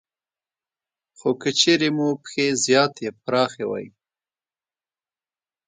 خو که چېرې مو پښې زیاتې پراخې وي